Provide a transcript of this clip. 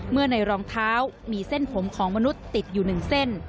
เมื่อในรองเท้ามีเส้นผมของมนุษย์ติดอยู่หนึ่งเส้น